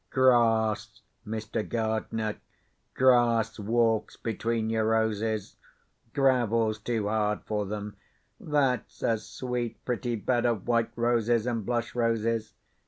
Grass, Mr. Gardener—grass walks between your roses; gravel's too hard for them. That's a sweet pretty bed of white roses and blush roses.